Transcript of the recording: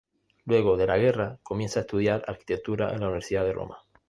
Luego de la guerra, comienza a estudiar arquitectura en la Universidad de Roma.